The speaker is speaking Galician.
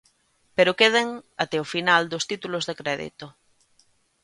Pero queden até o final dos títulos de crédito.